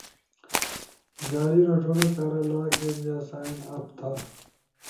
جاری رݜونو کارا لاگ ان یا سائن اپ تھا